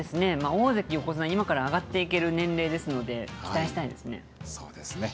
大関、横綱に今から上がっていける年齢ですので、期待したいですそうですね。